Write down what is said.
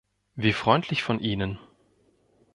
Wie freundlich von Ihnen!